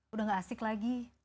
udah gak asik lagi